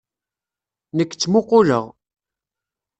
Nekk ttmuquleɣ.